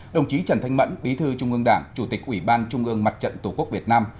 đồng chí trần thanh mẫn bí thư trung ương đảng chủ tịch ủy ban trung ương mặt trận tổ quốc việt nam